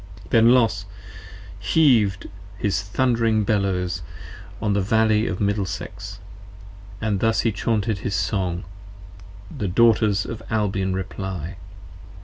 p. 56 THEN Los heaved his thund'ring Bellows on the Valley of Middlesex And thus he chaunted his Song: the Daughters of Albion reply.